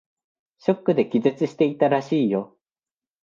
ショックで気絶していたらしいよ。